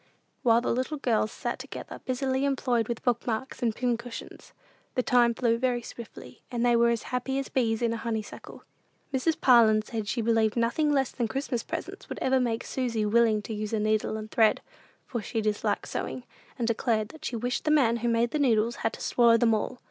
While the little girls sat together busily employed with book marks and pin cushions, the time flew very swiftly, and they were as happy as bees in a honeysuckle. Mrs. Parlin said she believed nothing less than Christmas presents would ever make Susy willing to use a needle and thread; for she disliked sewing, and declared she wished the man who made the needles had to swallow them all.